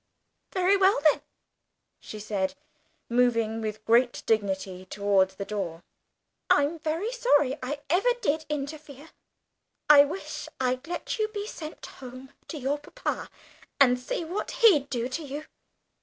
"Very well, then," she said, moving with great dignity towards the door. "I'm very sorry I ever did interfere. I wish I'd let you be sent home to your papa, and see what he'd do to you.